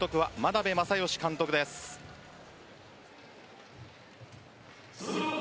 監督は眞鍋政義監督です。